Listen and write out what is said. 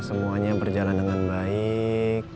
semuanya berjalan dengan baik